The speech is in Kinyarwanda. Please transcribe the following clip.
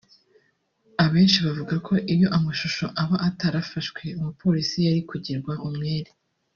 abenshi bavuga ko iyo amashusho aba atarafashwe umupolisi yari kugirwa umwere